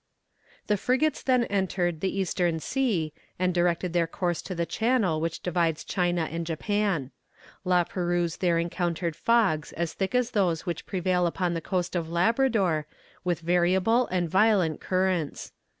The frigates then entered the Eastern Sea, and directed their course to the channel which divides China and Japan. La Perouse there encountered fogs as thick as those which prevail upon the coast of Labrador, with variable and violent currents.